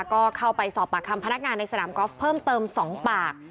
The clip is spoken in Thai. ก็เข้าไปสอบปากคำพนักงานในสนามกอล์ฟเพิ่มเติม๒ปาก